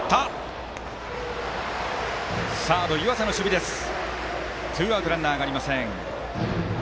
サード、湯浅がとってツーアウトランナーありません。